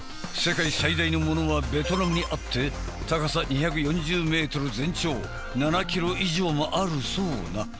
世界最大のものはベトナムにあって高さ２４０ｍ全長７ｋｍ以上もあるそうな。